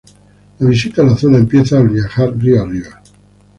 La visita a la zona empieza al viajar río arriba.